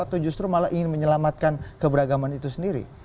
atau justru malah ingin menyelamatkan keberagaman itu sendiri